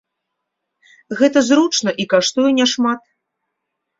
Гэта зручна і каштуе не шмат.